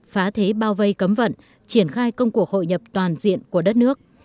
phá thế bao vây cấm vận triển khai công cuộc hội nhập toàn diện của đất nước